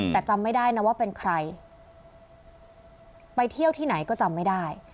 แต่จำไม่ได้นะว่าเป็นใครไปเที่ยวที่ไหนก็จำไม่ได้